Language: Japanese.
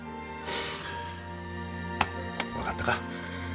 分かったか。